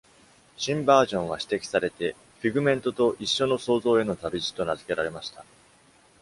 新バージョンは指摘されて、フィグメントと一緒の想像への旅路、と名付けられました。